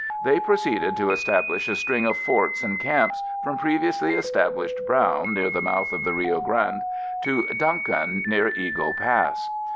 They proceeded to establish a string of forts and camps from previously established Brown near the mouth of the Rio Grande to Duncan near Eagle Pass.